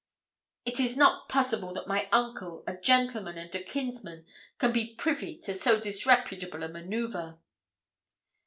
It is not possible that my uncle, a gentleman and a kinsman, can be privy to so disreputable a manouvre.'